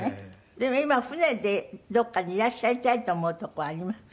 でも今船でどこかにいらっしゃりたいと思う所ありますか？